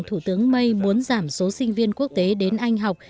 thủ tướng may muốn giảm số sinh viên quốc tế đến anh học